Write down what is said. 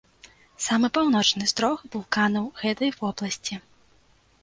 Самы паўночны з трох вулканаў гэтай вобласці.